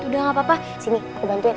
udah gapapa sini aku bantuin